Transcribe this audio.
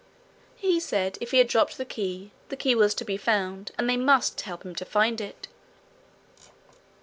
He said if he had dropped the key, the key was to be found, and they must help him to find it.